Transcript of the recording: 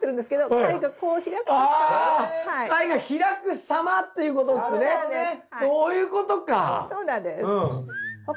そういうことか。